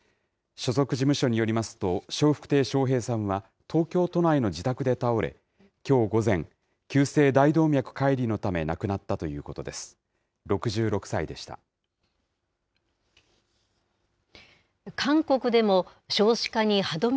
所属事務所によりますと、笑福亭笑瓶さんは東京都内の自宅で倒れ、きょう午前、急性大動脈解離のため、亡くなったということです。